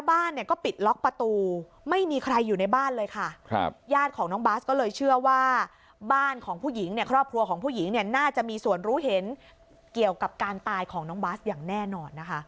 ญาติของน้องบาสก็เลยเชื่อว่าบ้านของผู้หญิงเนี่ยครอบครัวของผู้หญิงเนี่ยน่าจะมีส่วนรู้เห็นเกี่ยวกับการตายของน้องบาสอย่างแน่นอนนะคะ